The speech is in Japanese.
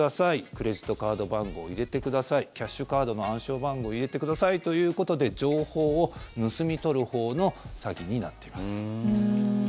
クレジットカード番号を入れてくださいキャッシュカードの暗証番号を入れてくださいということで情報を盗み取るほうの詐欺になっています。